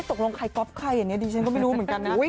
ตกลงใครก๊อฟใครอย่างนี้ดิฉันก็ไม่รู้เหมือนกันนะ